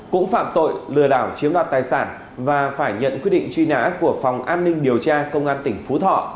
cũng phạm tội lừa đảo chiếm đoạt tài sản và phải nhận quyết định truy nã của phòng an ninh điều tra công an tỉnh phú thọ